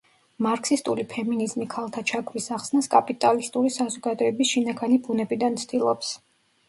მარქსისტული ფემინიზმი ქალთა ჩაგვრის ახსნას კაპიტალისტური საზოგადოების შინაგანი ბუნებიდან ცდილობს.